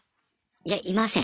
いやいません。